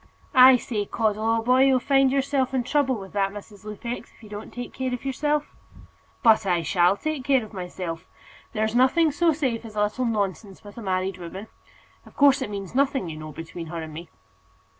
"I say, Caudle, old boy, you'll find yourself in trouble with that Mrs. Lupex, if you don't take care of yourself." "But I shall take care of myself. There's nothing so safe as a little nonsense with a married woman. Of course, it means nothing, you know, between her and me."